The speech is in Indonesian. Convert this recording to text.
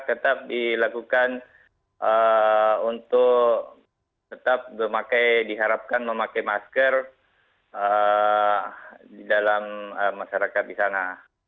tetap dilakukan untuk tetap diharapkan memakai masker di dalam masyarakat di sana